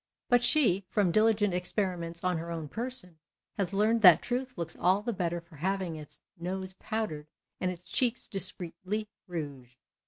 But she, from diligent experiments on her own person, has learnt that truth looks all the better for having its nose powdered and its cheeks discreetly rouged.